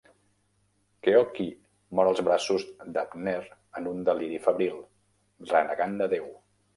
Keoki mor als braços d'Abner en un deliri febril, renegant de Déu.